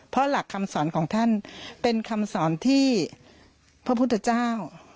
เพราะหลักคำสอนของท่านเป็นคำสอนที่พระพุทธเจ้า